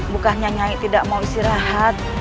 bukannya nyanyi tidak mau istirahat